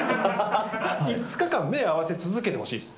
５日間、目合わせてほしいです。